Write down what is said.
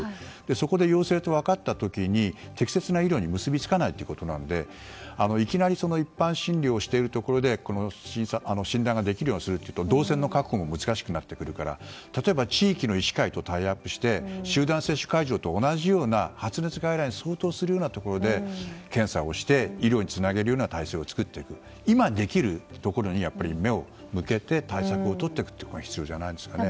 そこで陽性と分かった時に適切な医療に結びつかないということなのでいきなり一般診療しているところで診断ができるようにするとなると動線の確保も難しくなってくるから例えば地域の医師会とタイアップして集団接種会場と同じような発熱外来に相当するようなところで検査をして、医療につなげるような体制を作っていく今できるところに目を向けて対策をとっていくことが必要じゃないですかね。